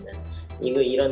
yang lebih menyerang